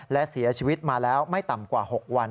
และเสียชีวิตมาแล้วไม่ต่ำกว่า๖วัน